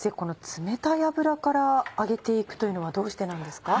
冷たい油から揚げて行くというのはどうしてなんですか？